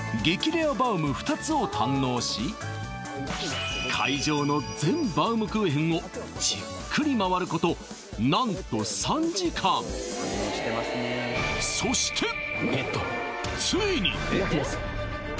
レアバウム２つを堪能し会場の全バウムクーヘンをじっくり回ること何と３時間ゲットやりました